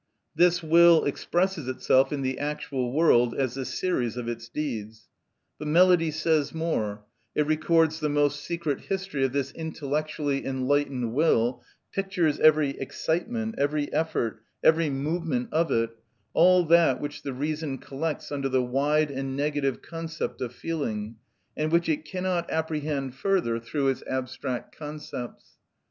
This will expresses itself in the actual world as the series of its deeds; but melody says more, it records the most secret history of this intellectually enlightened will, pictures every excitement, every effort, every movement of it, all that which the reason collects under the wide and negative concept of feeling, and which it cannot apprehend further through its abstract concepts.